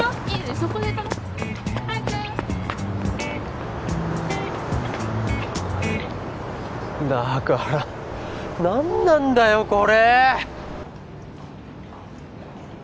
そこで撮ろう早くだから何なんだよこれ！